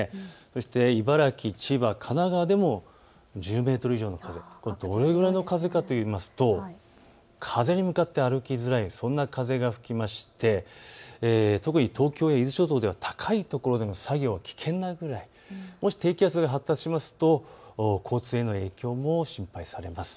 そして茨城、千葉、神奈川でも１０メートル以上の風、どれぐらいの風かというと風に向かって歩きづらいそんな風が吹いて特に東京や伊豆諸島では高いところでの作業は危険なくらい、もし低気圧が発達すると交通への影響も心配されます。